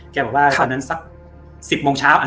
แกบอกว่าตอนนั้นสัก๑๐โมงเช้า